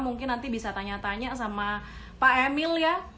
mungkin nanti bisa tanya tanya sama pak emil ya